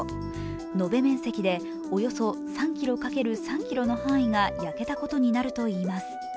延べ面積でおよそ３ｋｍ×３ｋｍの範囲が焼けたことになります。